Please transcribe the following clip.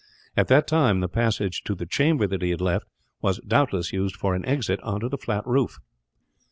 At that time the passage to the chamber that he had left was, doubtless, used for an exit on to the flat roof.